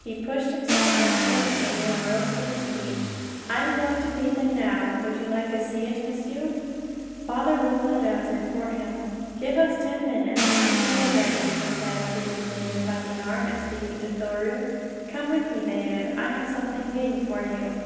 He pushed himself back from the table and rose to his feet. "I am going to feed them now. Would you like to see it, m'sieu?" Father Roland answered for him. "Give us ten minutes and we shall be ready," he said, seizing David by the arm, and speaking to Thoreau. "Come with me, David. I have something waiting for you."